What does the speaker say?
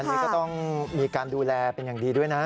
อันนี้ก็ต้องมีการดูแลเป็นอย่างดีด้วยนะ